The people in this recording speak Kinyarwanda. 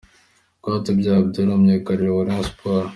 Rwatubyaye Abdul myugariro wa Rayon Sports .